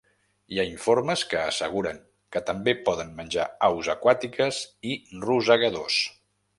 Hi ha informes que asseguren que també poden menjar aus aquàtiques i rosegadors.